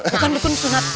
bukan dukun sunat